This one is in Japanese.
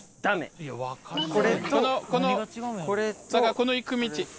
この行く道。